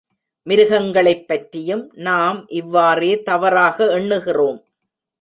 மிருகங்களைப் பற்றியும் நாம் இவ்வாறே தவறாக எண்ணுகிறோம்.